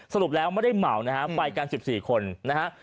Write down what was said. สรุปแล้วไม่ได้เหมานะฮะไปกัน๑๔คนนะฮะ